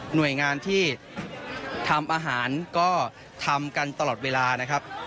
หน่วยงานที่ทำอาหารก็ทำกันตลอดเวลานะครับ